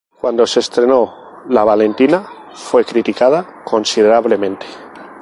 Cuando se estrenó "La Valentina", fue criticada considerablemente.